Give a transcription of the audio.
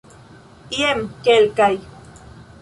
Jen kelkaj.